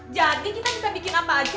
jadi kita bisa bikin apa saja